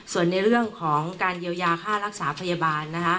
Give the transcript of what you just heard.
ส่วนในเรื่องของการเยียวยาค่ารักษาพยาบาล